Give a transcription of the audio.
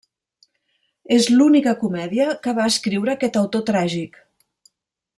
És l'única comèdia que va escriure aquest autor tràgic.